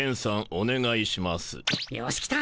よし来た。